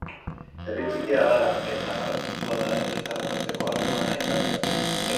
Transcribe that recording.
Herri txikia gara, eta garrantzitsua da herritarren arteko harremana indartzea.